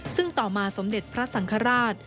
ซึ่งต่อมาสมเด็จพระสังฆราช